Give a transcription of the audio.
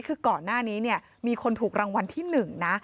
คือก่อนหน้านี้มีคนถูกรางวัลที่หนึ่งนะ